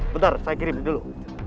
bentar saya kirim dulu